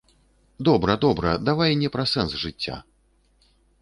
Добра, добра, давай не пра сэнс жыцця.